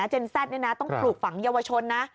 เจนแซดต้องปลูกฝังเยาวชนนะ